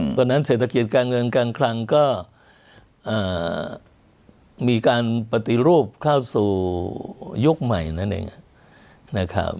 เพราะฉะนั้นเศรษฐกิจการเงินการคลังก็มีการปฏิรูปเข้าสู่ยุคใหม่นั่นเองนะครับ